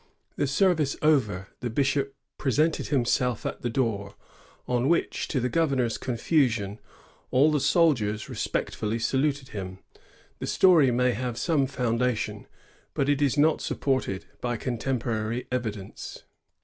The service over, the bishop presented himself at the door, on which, to the governor's confusion, all the soldiers respect fully saluted him.' The story may have some foun dation, but it is not supported by contemporary evidence.